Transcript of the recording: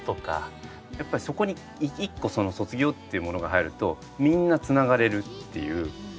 やっぱりそこに一個「卒業」っていうものが入るとみんなつながれるっていう。